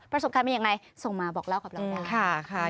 ประสบการณ์เป็นยังไงส่งมาบอกเล่ากับเราได้ค่ะ